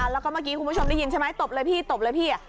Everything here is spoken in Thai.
แล้วก็เมื่อกี้คุณผู้ชมได้ยินใช่ไหมตบเลยพี่ตบเลยพี่